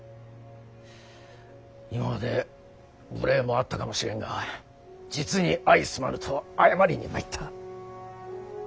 今まで無礼もあったかもしれんが実に相すまぬと謝りに参った。